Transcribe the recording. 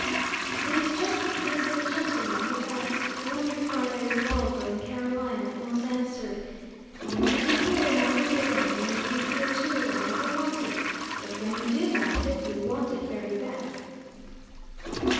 It is just the case of the gentleman who asked if one required a revolver in Carolina and was answered, "You may be here one year, and you may be here two and never want it; but when you do want it you'll want it very bad."